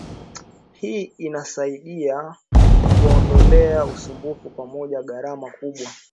Hii inasaidia kuwaondolea usumbufu pamoja gharama kubwa